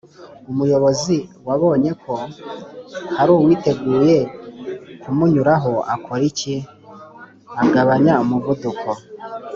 umuyobozi wabonye ko haruwiteguye kumunyuraho akora iki?agabanya umuvuduko